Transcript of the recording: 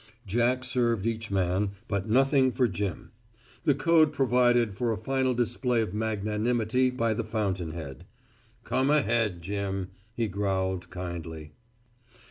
Jack served each man, but nothing for Jim. The code provided for a final display of magnanimity by the fountainhead. "Come ahead, Jim," he growled, kindly.